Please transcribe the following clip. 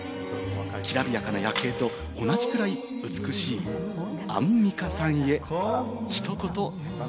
きらびやかな夜景と同じくらい美しい、アンミカさんへ、ひと言。